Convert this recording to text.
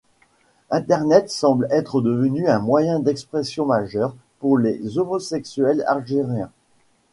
Internet semble être devenu un moyen d'expression majeur pour les homosexuels algériens.